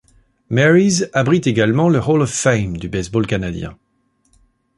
Mary's abrite également le Hall of Fame du baseball canadien.